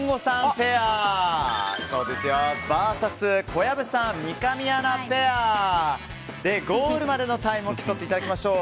ペアＶＳ小籔さん、三上アナペアでゴールまでのタイムを競っていただきましょう。